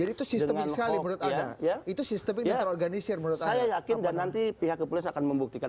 itu sistemik sekali menurut anda itu sistemik yang terorganisir menurut saya yakin dan nanti pihak kepolisian akan membuktikan